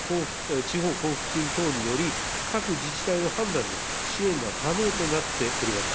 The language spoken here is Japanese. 地方交付金等により、各自治体の判断で、支援が可能となっております。